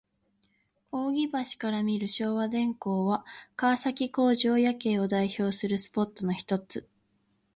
扇橋から見る昭和電工は、川崎工場夜景を代表するスポットのひとつ。